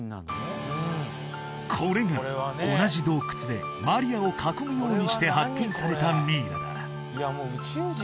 これが同じ洞窟でマリアを囲むようにして発見されたミイラだ